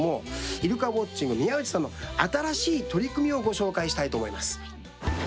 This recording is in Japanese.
イルカウォッチングの宮内さんの新しい取り組みをご紹介したいと思います。